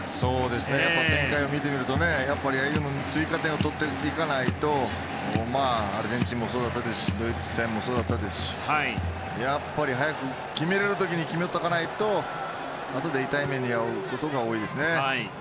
展開を見てみると追加点を取っていかないとアルゼンチンもそうだったですしドイツ戦もそうでしたがやっぱり早く決められる時に決めとかないとあとで痛い目に遭うことが多いですよね。